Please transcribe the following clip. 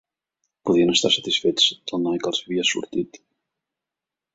Podien estar satisfets del noi que els havia sortit.